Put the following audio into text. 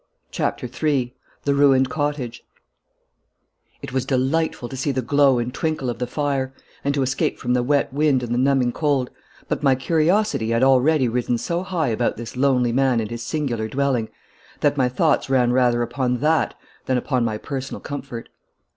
CHAPTER III THE RUINED COTTAGE It was delightful to see the glow and twinkle of the fire and to escape from the wet wind and the numbing cold, but my curiosity had already risen so high about this lonely man and his singular dwelling that my thoughts ran rather upon that than upon my personal comfort.